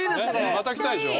また来たいでしょ？